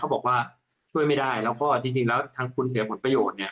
บอกว่าช่วยไม่ได้แล้วก็จริงแล้วทางคุณเสียผลประโยชน์เนี่ย